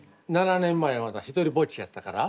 ７年前まだ独りぼっちやったから。